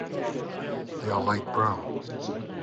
They are light brown.